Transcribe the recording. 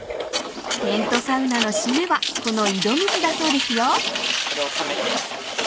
［テントサウナの締めはこの井戸水だそうですよ］